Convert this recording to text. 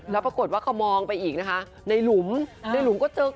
แล้วปรากฏว่าก็มองไปอีกนะคะในหลุมก็เจอกบ